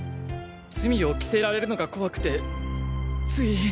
罪を着せられるのが怖くてつい。